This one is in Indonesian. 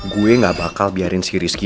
gue gak bakal biarin si rizky